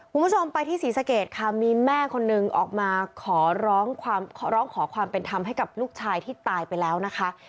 คุณผู้ชมไปที่ศรีสะเกดค่ะมีแม่คนนึงออกมาขอร้องขอความเป็นธรรมให้กับลูกชายที่ตายไปแล้วนะคะ